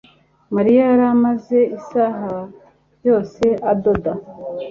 Mariya yari amaze isaha yose adoda